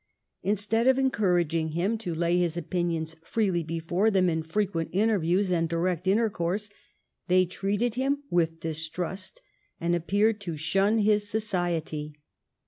Instead of encouraging him to lay his opinions freely before them in frequent interviews and direct intercourse, they treated him with distrust and appeared to shun his society.